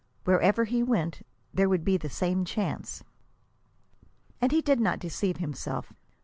Wherever he went, there would be the same chance. And he did not deceive himself.